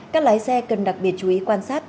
các lái xe cần đặc biệt chú ý quan sát